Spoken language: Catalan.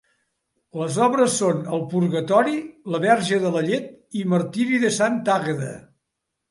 Les obres són El Purgatori, La Verge de la Llet i Martiri de Santa Àgueda.